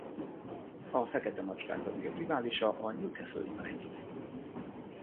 A Fekete Macskák legnagyobb riválisa a Newcastle United.